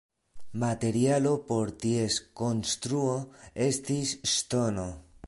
Materialo por ties konstruo estis ŝtono.